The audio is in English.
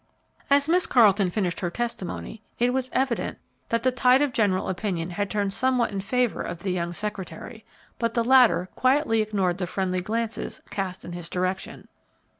As Miss Carleton finished her testimony it was evident that the tide of general opinion had turned somewhat in favor of the young secretary, but the latter quietly ignored the friendly glances cast in his direction.